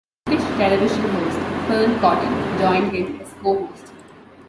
British television host Fearne Cotton joined him as co-host.